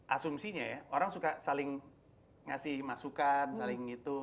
asumsinya ya orang suka saling ngasih masukan saling itu